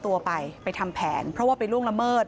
ตัวไปไปทำแผนเพราะว่าไปล่วงละเมิด